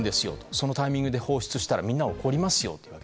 そのタイミングで放出したらみんな怒りますよと。